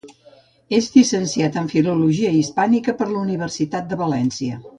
És llicenciat en filologia hispànica per la Universitat de València.